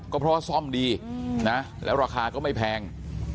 ก็เพราะว่าซ่อมดีนะแล้วราคาก็ไม่แพง